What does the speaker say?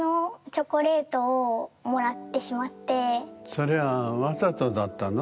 それはわざとだったの？